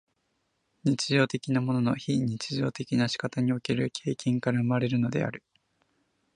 日常的なものの非日常的な仕方における経験から生まれるのである。